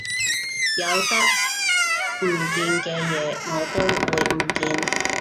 有得唔見嘅嘢我都會唔見